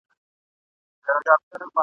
نښانې یې د خپل مرګ پکښي لیدلي !.